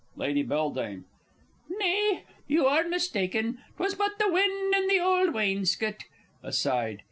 Lady B. Nay, you are mistaken 'twas but the wind in the old wainscot. (_Aside.